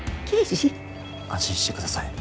安心して下さい。